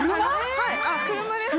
はい車です車？